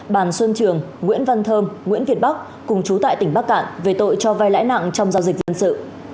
bàn xuân trường nguyễn văn thơm nguyễn việt bắc cùng chú tại tỉnh bắc cạn về tội cho vai lãi nặng trong giao dịch dân sự